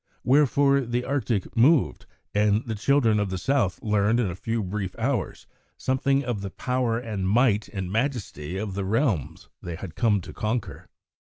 Wherefore the Arctic moved, and the children of the South learned in a few brief hours something of the power and might and majesty of the realms they had come to conquer.